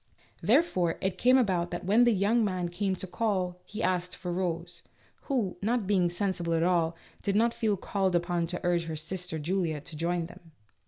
Therefore it came about that when the young man came to call, he asked for Rose, who, not being sensible at all, did not feel called upon to urge her sister Julia to join them.